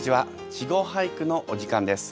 「稚語俳句」のお時間です。